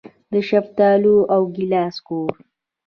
د شفتالو او ګیلاس کور.